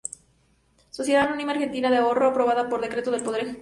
Sociedad Anónima Argentina de Ahorro, aprobada por decreto del Poder Ejecutivo.